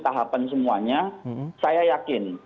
tahapan semuanya saya yakin